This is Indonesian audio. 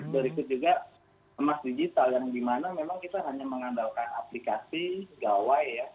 berikut juga emas digital yang dimana memang kita hanya mengandalkan aplikasi gawai ya